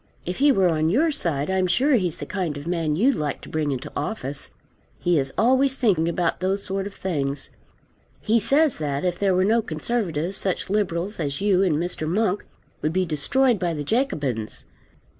If he were on your side I'm sure he's the kind of man you'd like to bring into office. He is always thinking about those sort of things. He says that, if there were no Conservatives, such Liberals as you and Mr. Monk would be destroyed by the Jacobins.